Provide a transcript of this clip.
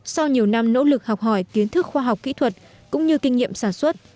sau nhiều năm nỗ lực học hỏi kiến thức khoa học kỹ thuật cũng như kinh nghiệm sản xuất